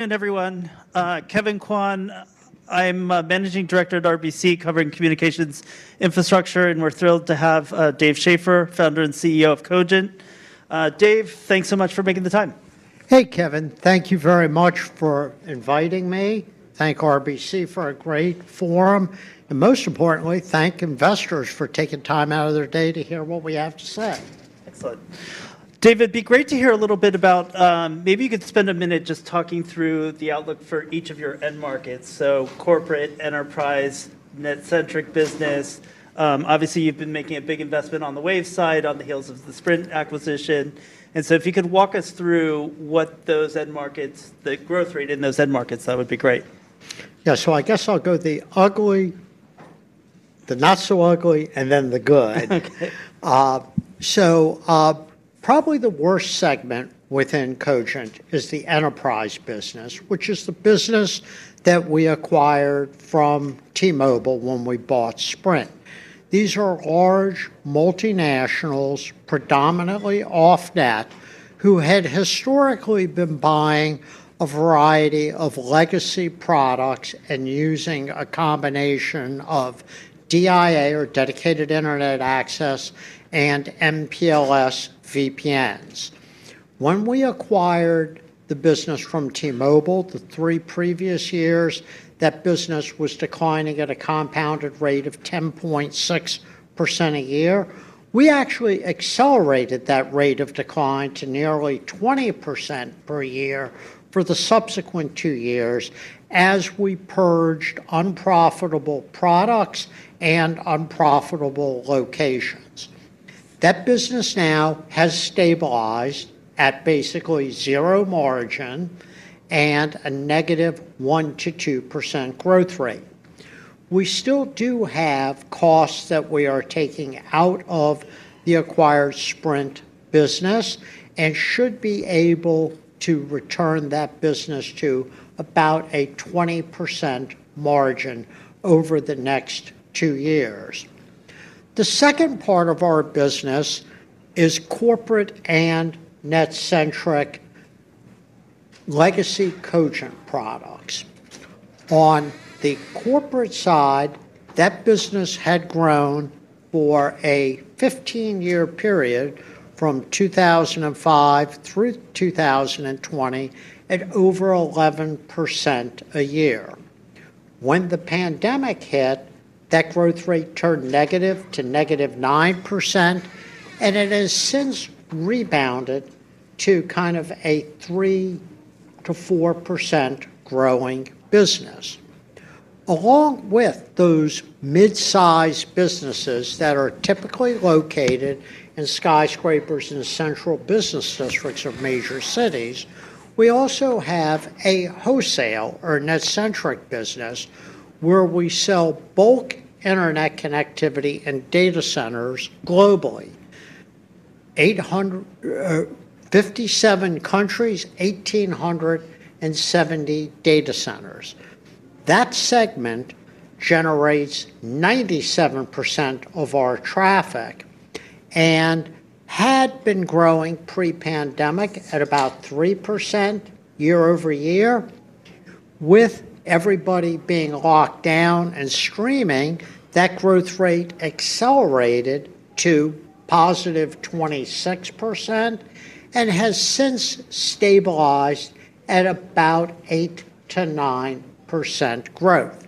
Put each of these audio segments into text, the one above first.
Everyone, Kevin Kwan, I'm a Managing Director at RBC Capital Markets covering communications infrastructure, and we're thrilled to have Dave Schaeffer, Founder and CEO of Cogent Communications Holdings Inc. Dave, thanks so much for making the time. Hey, Kevin, thank you very much for inviting me. Thank RBC for a great forum, and most importantly, thank investors for taking time out of their day to hear what we have to say. Excellent. Dave, it'd be great to hear a little bit about, maybe you could spend a minute just talking through the outlook for each of your end markets. Corporate, enterprise, net-centric business. Obviously, you've been making a big investment on the wave side, on the heels of the Sprint acquisition. If you could walk us through what those end markets, the growth rate in those end markets, that would be great. I guess I'll go the ugly, the not so ugly, and then the good. Okay. Probably the worst segment within Cogent is the enterprise business, which is the business that we acquired from T-Mobile when we bought Sprint. These are large multinationals, predominantly off-net, who had historically been buying a variety of legacy products and using a combination of DIA, or Dedicated Internet Access, and MPLS VPNs. When we acquired the business from T-Mobile, the three previous years, that business was declining at a compounded rate of 10.6% a year. We actually accelerated that rate of decline to nearly 20% per year for the subsequent two years as we purged unprofitable products and unprofitable locations. That business now has stabilized at basically zero margin and a negative 1-2% growth rate. We still do have costs that we are taking out of the acquired Sprint business and should be able to return that business to about a 20% margin over the next two years. The second part of our business is corporate and net-centric legacy Cogent products. On the corporate side, that business had grown for a 15-year period from 2005 through 2020 at over 11% a year. When the pandemic hit, that growth rate turned negative to negative 9%, and it has since rebounded to kind of a 3-4% growing business. Along with those mid-sized businesses that are typically located in skyscrapers and central business districts of major cities, we also have a wholesale or net-centric business where we sell bulk internet connectivity and data centers globally. 87 countries, 1,870 data centers. That segment generates 97% of our traffic and had been growing pre-pandemic at about 3% year over year. With everybody being locked down and streaming, that growth rate accelerated to positive 26% and has since stabilized at about 8-9% growth.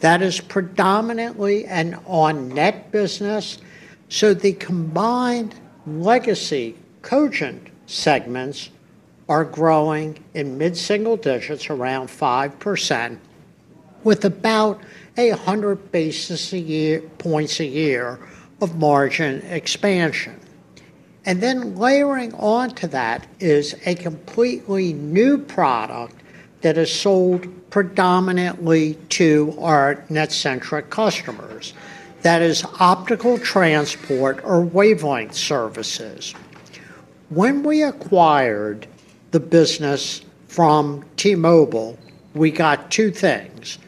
That is predominantly an on-net business, so the combined legacy Cogent segments are growing in mid-single digits around 5% with about 100 basis points a year of margin expansion. Layering onto that is a completely new product that is sold predominantly to our net-centric customers. That is optical transport or wavelength services. When we acquired the business from T-Mobile, we got two things.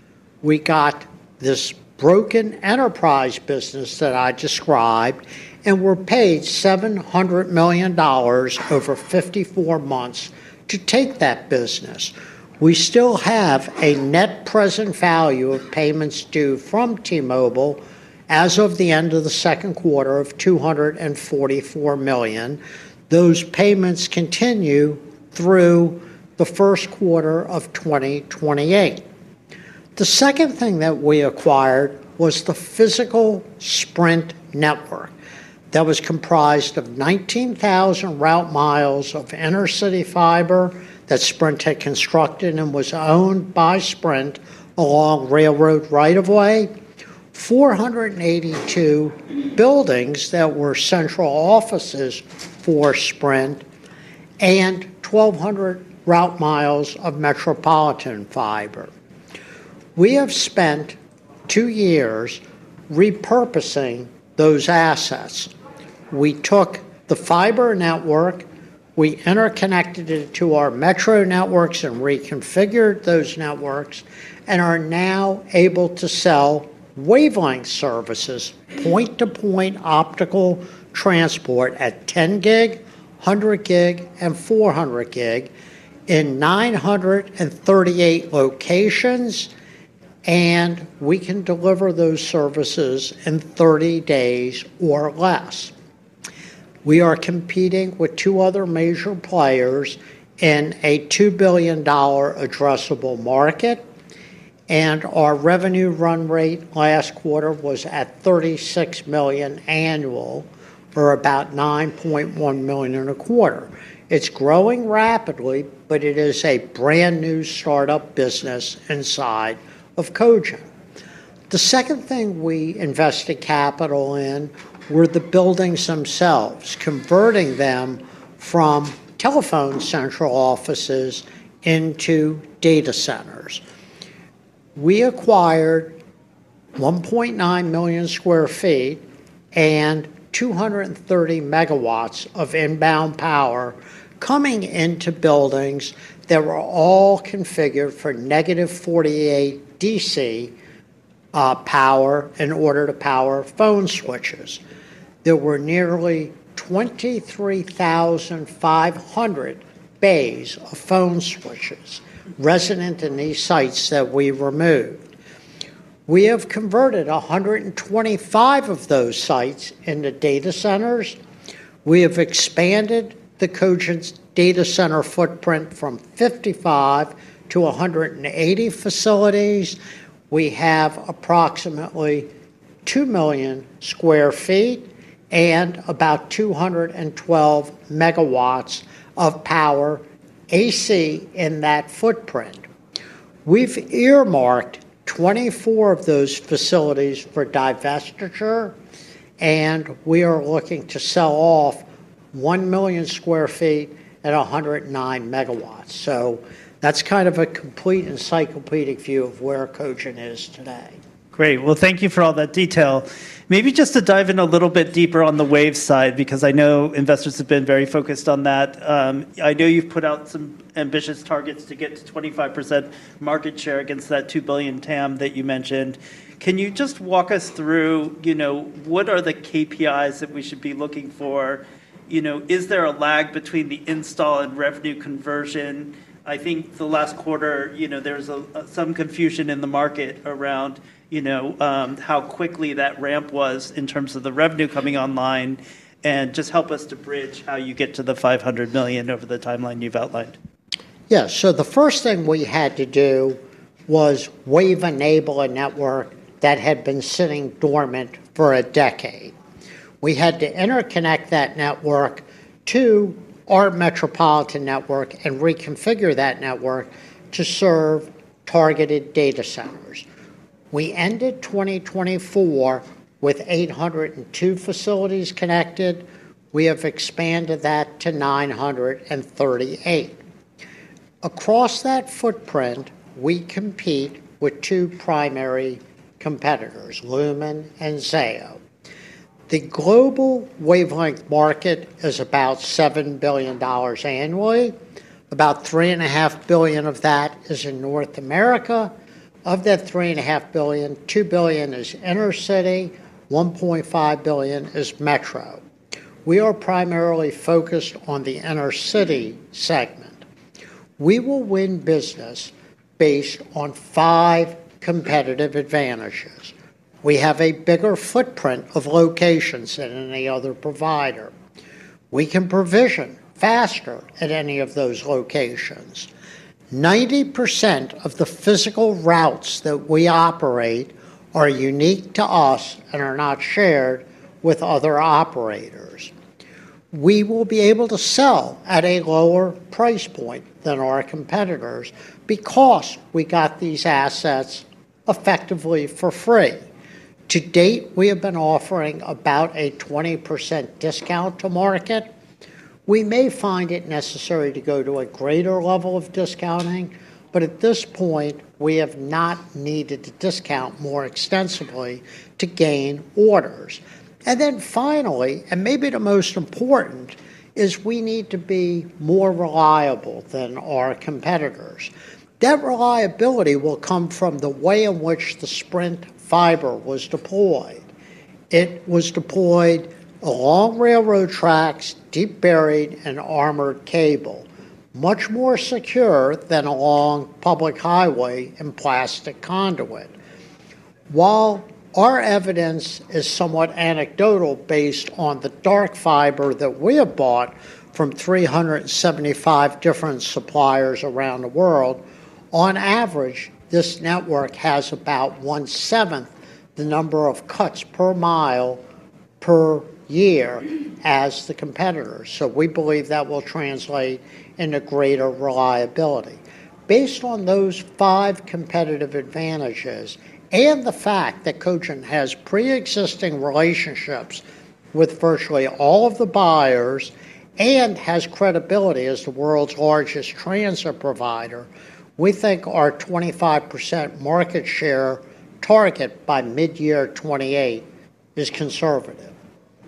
We got this broken enterprise business that I described and were paid $700 million over 54 months to take that business. We still have a net present value of payments due from T-Mobile as of the end of the second quarter of $244 million. Those payments continue through the first quarter of 2028. The second thing that we acquired was the physical Sprint network that was comprised of 19,000 route miles of intercity fiber that Sprint had constructed and was owned by Sprint along railroad right of way, 482 buildings that were central offices for Sprint, and 1,200 route miles of metropolitan fiber. We have spent two years repurposing those assets. We took the fiber network, we interconnected it to our metro networks and reconfigured those networks and are now able to sell wavelength services, point-to-point optical transport at 10 gig, 100 gig, and 400 gig in 938 locations, and we can deliver those services in 30 days or less. We are competing with two other major players in a $2 billion addressable market, and our revenue run rate last quarter was at $36 million annual or about $9.1 million a quarter. It's growing rapidly, but it is a brand new startup business inside of Cogent. The second thing we invested capital in were the buildings themselves, converting them from telephone central offices into data centers. We acquired 1.9 million square feet and 230 megawatts of inbound power coming into buildings that were all configured for negative 48 DC power in order to power phone switches. There were nearly 23,500 bays of phone switches resident in these sites that we removed. We have converted 125 of those sites into data centers. We have expanded Cogent's data center footprint from 55 to 180 facilities. We have approximately 2 million square feet and about 212 megawatts of power AC in that footprint. We've earmarked 24 of those facilities for divestiture, and we are looking to sell off 1 million square feet at 109 megawatts. That's kind of a complete encyclopedic view of where Cogent is today. Great. Thank you for all that detail. Maybe just to dive in a little bit deeper on the wave side, because I know investors have been very focused on that. I know you've put out some ambitious targets to get to 25% market share against that $2 billion TAM that you mentioned. Can you just walk us through what are the KPIs that we should be looking for? Is there a lag between the install and revenue conversion? I think the last quarter there was some confusion in the market around how quickly that ramp was in terms of the revenue coming online, and just help us to bridge how you get to the $500 million over the timeline you've outlined. Yeah, so the first thing we had to do was wave-enable a network that had been sitting dormant for a decade. We had to interconnect that network to our metropolitan network and reconfigure that network to serve targeted data centers. We ended 2024 with 802 facilities connected. We have expanded that to 938. Across that footprint, we compete with two primary competitors, Lumen and Zayo. The global wavelength market is about $7 billion annually. About $3.5 billion of that is in North America. Of that $3.5 billion, $2 billion is intercity, $1.5 billion is metro. We are primarily focused on the intercity segment. We will win business based on five competitive advantages. We have a bigger footprint of locations than any other provider. We can provision faster at any of those locations. 90% of the physical routes that we operate are unique to us and are not shared with other operators. We will be able to sell at a lower price point than our competitors because we got these assets effectively for free. To date, we have been offering about a 20% discount to market. We may find it necessary to go to a greater level of discounting, but at this point, we have not needed to discount more extensively to gain orders. Finally, and maybe the most important, is we need to be more reliable than our competitors. That reliability will come from the way in which the Sprint fiber was deployed. It was deployed along railroad tracks, deep buried, and armored cable, much more secure than along public highway and plastic conduit. While our evidence is somewhat anecdotal based on the dark fiber that we have bought from 375 different suppliers around the world, on average, this network has about one-seventh the number of cuts per mile per year as the competitor. We believe that will translate into greater reliability. Based on those five competitive advantages and the fact that Cogent has pre-existing relationships with virtually all of the buyers and has credibility as the world's largest transfer provider, we think our 25% market share target by mid-year 2028 is conservative.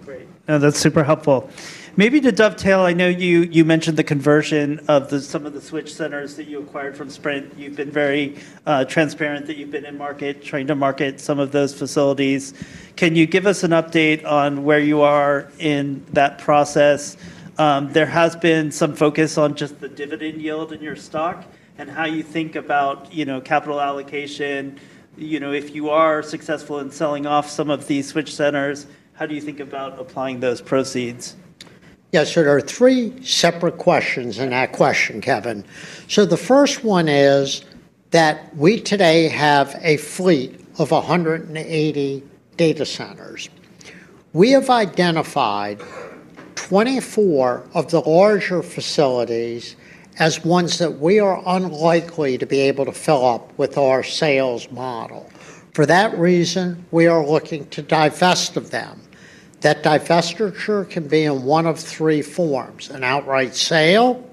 Great. No, that's super helpful. Maybe to dovetail, I know you mentioned the conversion of some of the switch centers that you acquired from Sprint. You've been very transparent that you've been in market, trying to market some of those facilities. Can you give us an update on where you are in that process? There has been some focus on just the dividend yield in your stock and how you think about, you know, capital allocation. If you are successful in selling off some of these switch centers, how do you think about applying those proceeds? Yeah, sure. There are three separate questions in that question, Kevin. The first one is that we today have a fleet of 180 data centers. We have identified 24 of the larger facilities as ones that we are unlikely to be able to fill up with our sales model. For that reason, we are looking to divest of them. That divestiture can be in one of three forms: an outright sale,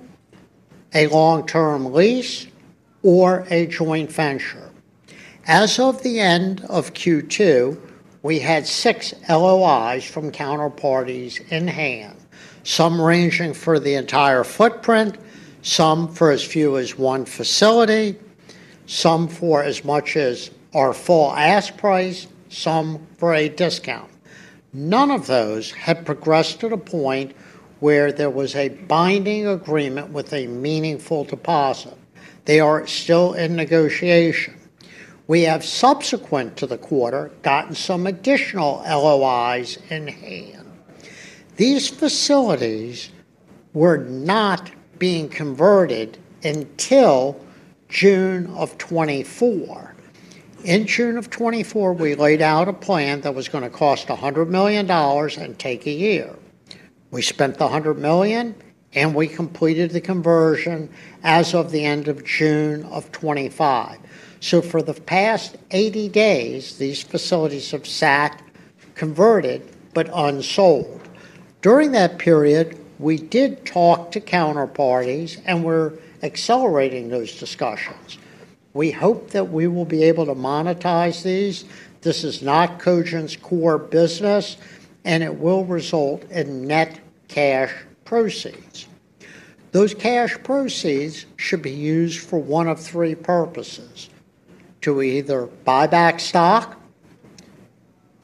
a long-term lease, or a joint venture. As of the end of Q2, we had six LOIs from counterparties in hand, some ranging for the entire footprint, some for as few as one facility, some for as much as our full ask price, some for a discount. None of those had progressed to the point where there was a binding agreement with a meaningful deposit. They are still in negotiation. We have subsequent to the quarter gotten some additional LOIs in hand. These facilities were not being converted until June of 2024. In June of 2024, we laid out a plan that was going to cost $100 million and take a year. We spent the $100 million and we completed the conversion as of the end of June of 2025. For the past 80 days, these facilities have sat converted but unsold. During that period, we did talk to counterparties and we're accelerating those discussions. We hope that we will be able to monetize these. This is not Cogent's core business, and it will result in net cash proceeds. Those cash proceeds should be used for one of three purposes: to either buy back stock,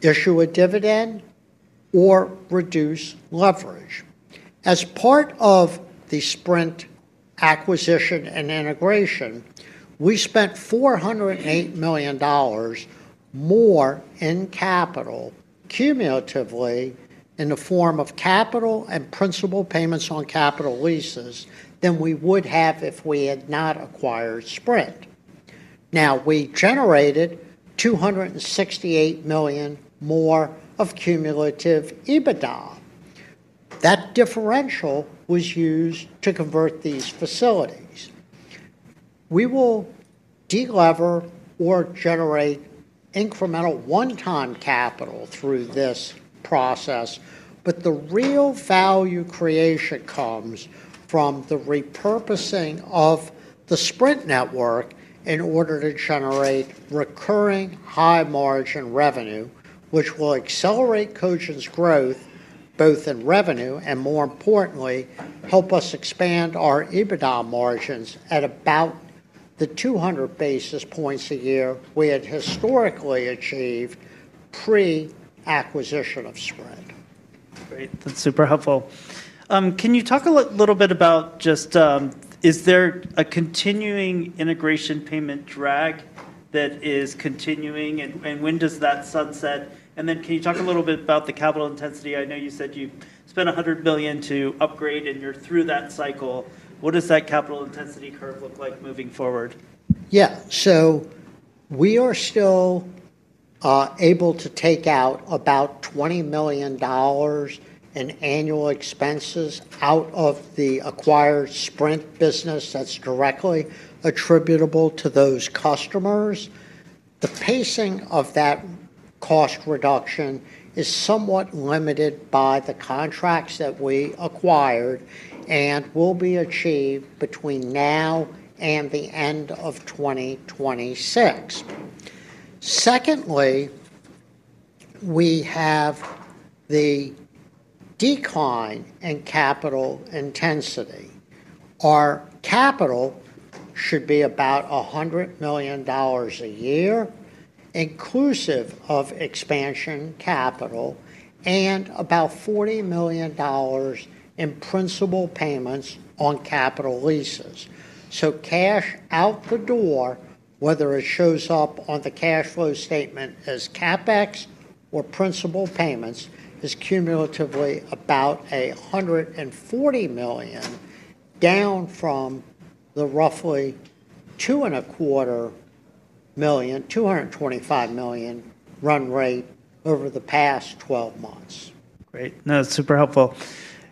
issue a dividend, or reduce leverage. As part of the Sprint acquisition and integration, we spent $408 million more in capital cumulatively in the form of capital and principal payments on capital leases than we would have if we had not acquired Sprint. We generated $268 million more of cumulative EBITDA. That differential was used to convert these facilities. We will delever or generate incremental one-time capital through this process, but the real value creation comes from the repurposing of the Sprint network in order to generate recurring high margin revenue, which will accelerate Cogent's growth both in revenue and, more importantly, help us expand our EBITDA margins at about the 200 basis points a year we had historically achieved pre-acquisition of Sprint. Great. That's super helpful. Can you talk a little bit about just, is there a continuing integration payment drag that is continuing, and when does that sunset? Can you talk a little bit about the capital intensity? I know you said you spent $100 million to upgrade and you're through that cycle. What does that capital intensity curve look like moving forward? Yeah, we are still able to take out about $20 million in annual expenses out of the acquired Sprint business that's directly attributable to those customers. The pacing of that cost reduction is somewhat limited by the contracts that we acquired and will be achieved between now and the end of 2026. Secondly, we have the decline in capital intensity. Our capital should be about $100 million a year, inclusive of expansion capital, and about $40 million in principal payments on capital leases. Cash out the door, whether it shows up on the cash flow statement as CapEx or principal payments, is cumulatively about $140 million, down from the roughly $225 million run rate over the past 12 months. Great. No, that's super helpful.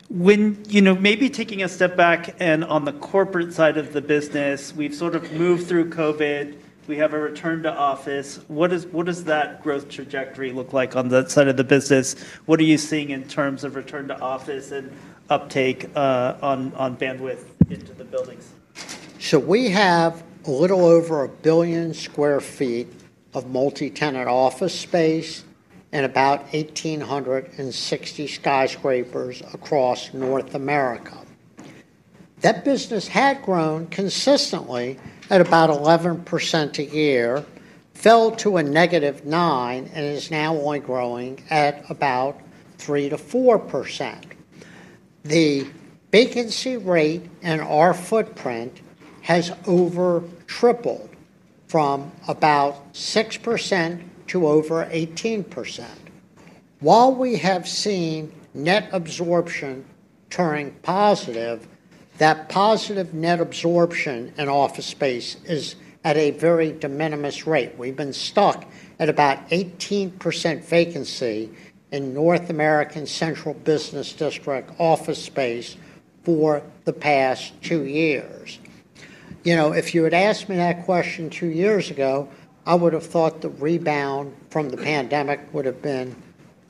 When, you know, maybe taking a step back and on the corporate side of the business, we've sort of moved through COVID. We have a return to office. What does that growth trajectory look like on that side of the business? What are you seeing in terms of return to office and uptake on bandwidth into the buildings? We have a little over a billion square feet of multi-tenant office space and about 1,860 skyscrapers across North America. That business had grown consistently at about 11% a year, fell to a negative 9%, and is now only growing at about 3-4%. The vacancy rate in our footprint has over-tripled from about 6% to over 18%. While we have seen net absorption turning positive, that positive net absorption in office space is at a very de minimis rate. We've been stuck at about 18% vacancy in North American Central Business District office space for the past two years. If you had asked me that question two years ago, I would have thought the rebound from the pandemic would have been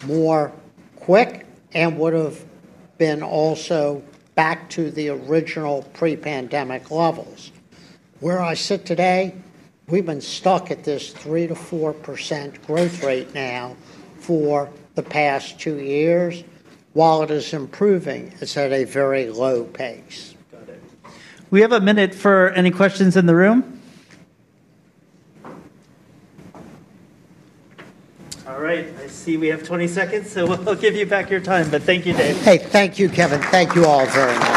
more quick and would have been also back to the original pre-pandemic levels. Where I sit today, we've been stuck at this 3-4% growth rate now for the past two years. While it is improving, it's at a very low pace. We have a minute for any questions in the room. All right, I see we have 0:20, so I'll give you back your time, but thank you, Dave. Okay, thank you, Kevin. Thank you all very much.